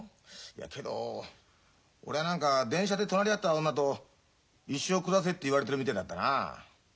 けど俺は何か電車で隣り合った女と一生暮らせって言われてるみてえだったなあ。